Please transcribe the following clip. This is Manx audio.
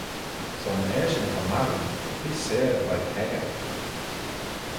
Son eshyn ta marroo, t'eh seyr veih peccah.